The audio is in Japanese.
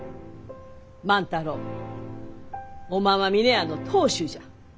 万太郎おまんは峰屋の当主じゃ。